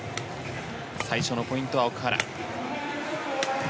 最初のポイントは奥原。